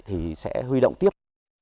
thì sẽ huy động tiếp